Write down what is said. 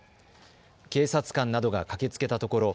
警察官などが駆けつけたところ